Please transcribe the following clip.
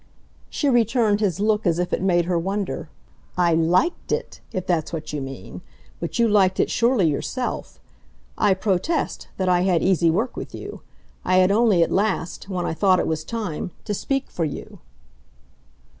She returned his look as if it had made her wonder. "I LIKED it, if that's what you mean. But you liked it surely yourself. I protest, that I had easy work with you. I had only at last when I thought it was time to speak for you."